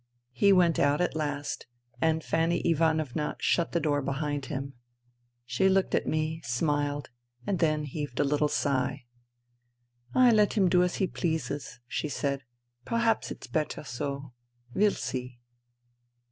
He went out at last, and Fanny Ivanovna shut the door behind him. She looked at me, smiled, and then heaved a little sigh. "I let him do as he pleases," she said. " Perhaps it's better so. We'll see.